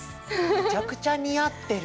めちゃくちゃ似合ってる！